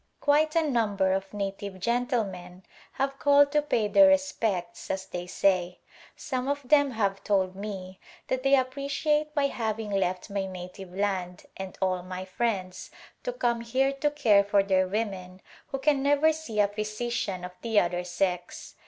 Quite a number of native gentlemen have called to pay their respects, as they say. Some of them have told me that they appreciate my having left my native land and all my friends to come here to care for their women who can never see a physician of the other sex.